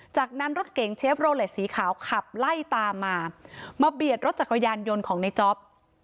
จากนั้นรถเก๋งเชฟโรเลสสีขาวขับไล่ตามมามาเบียดรถจักรยานยนต์ของในจ๊อป